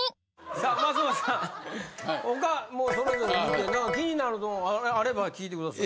さあ松本さん他それぞれ見て気になるとこあれば聞いてください。